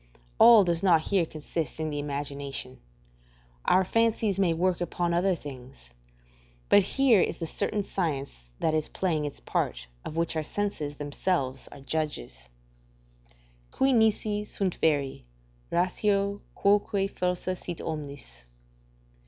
All does not here consist in the imagination; our fancies may work upon other things: but here is the certain science that is playing its part, of which our senses themselves are judges: "Qui nisi sunt veri, ratio quoque falsa sit omnis."